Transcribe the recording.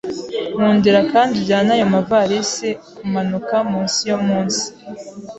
Nkundira kandi ujyane ayo mavalisi kumanuka munsi yo munsi.